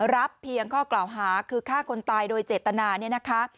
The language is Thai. รับเพียงข้อกล่าวหาคือฆ่าคนตายโดยเจตนาเนี่ยนะคะ